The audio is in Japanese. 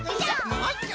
もういっちょ！